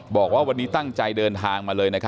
บอกว่าวันนี้ตั้งใจเดินทางมาเลย